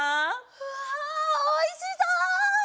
うわおいしそう！